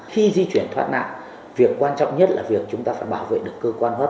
khi di chuyển thoát nạn việc quan trọng nhất là việc chúng ta phải bảo vệ được cơ quan hấp